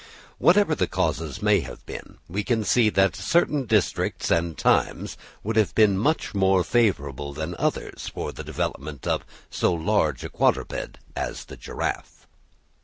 Whatever the causes may have been, we can see that certain districts and times would have been much more favourable than others for the development of so large a quadruped as the giraffe.